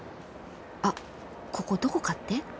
あっここどこかって？